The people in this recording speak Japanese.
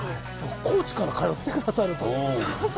高知から通ってらっしゃると。